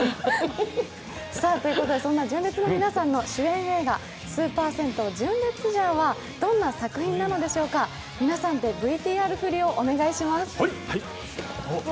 そんな純烈の皆さんの主演映画「スーパー戦闘純烈ジャー」はどんな作品なのでしょうか、皆さんでＶＴＲ振りをお願いします。